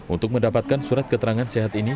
untuk mendapatkan surat keterangan sehat ini